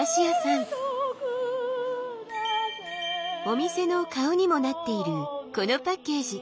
お店の顔にもなっているこのパッケージ。